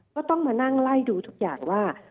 ก็ต้องมานั่งไล่ดูทุกอย่างว่า